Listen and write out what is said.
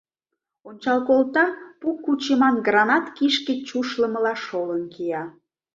Ончал колта — пу кучеман гранат кишке чушлымыла шолын кия.